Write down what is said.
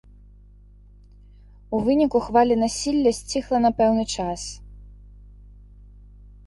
У выніку хваля насілля сціхла на пэўны час.